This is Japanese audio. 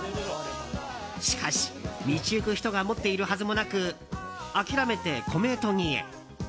しかし道行く人が持っているはずもなく諦めて米とぎへ。